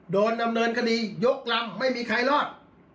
โดนดำเนินคดียกลำไม่มีใครรอด